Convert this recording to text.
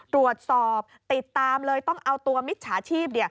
ตรวจสอบติดตามเลยต้องเอาตัวมิจฉาชีพ